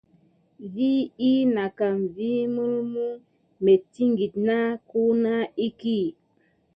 Va ina kam vi mulmu mitkine nat kuma iki.